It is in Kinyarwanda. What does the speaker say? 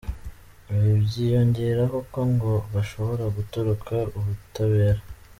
Ibi byiyongeraho ko ngo bashobora gutoroka ubutabera.